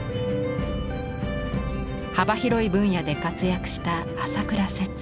幅広い分野で活躍した朝倉摂。